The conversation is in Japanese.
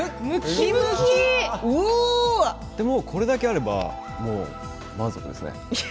でもこれだけあればもう満足ですね。